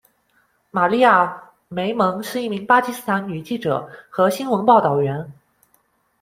玛丽亚·梅蒙是一名巴基斯坦女记者和新闻报导员。